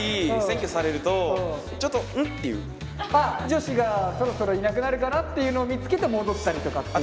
女子がそろそろいなくなるかなっていうのを見つけて戻ったりとかっていう？